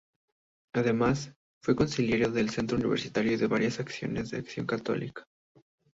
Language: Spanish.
Además, fue consiliario del Centro Universitario y de varias asociaciones de Acción Católica.